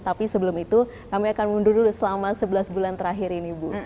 tapi sebelum itu kami akan mundur dulu selama sebelas bulan terakhir ini bu